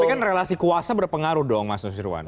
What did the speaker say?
tapi kan relasi kuasa berpengaruh dong mas nusirwan